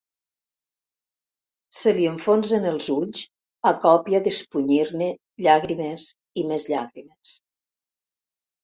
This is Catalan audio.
Se li enfonsen els ulls a còpia d'espunyir-ne llàgrimes i més llàgrimes.